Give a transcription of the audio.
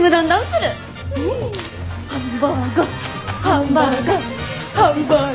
ハンバーガー！